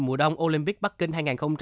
mùa đông olympic bắc kinh hai nghìn hai mươi